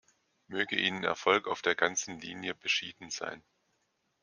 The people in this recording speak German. Möge Ihnen Erfolg auf der ganzen Linie beschieden sein.